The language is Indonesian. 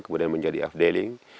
kemudian menjadi afdeling